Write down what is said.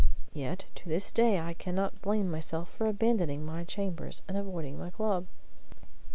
Yet to this day I cannot blame myself for abandoning my chambers and avoiding my club.